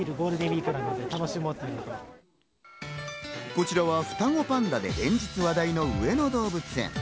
こちらは双子パンダで連日話題の上野動物園。